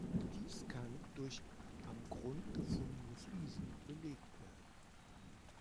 Dies kann durch am Grund gefundene Fliesen belegt werden.